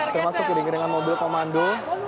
saya masuk ke lingkaran mobil komando